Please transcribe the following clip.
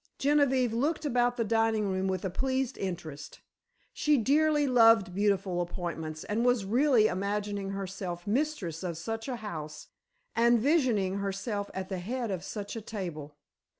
Genevieve looked about the dining room, with a pleased interest. She dearly loved beautiful appointments and was really imagining herself mistress of just such a house, and visioning herself at the head of such a table.